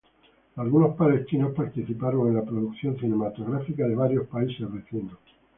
Algunos palestinos participaron en la producción cinematográfica de varios países vecinos.